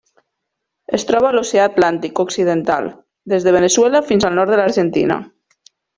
Es troba a l'Oceà Atlàntic occidental: des de Veneçuela fins al nord de l'Argentina.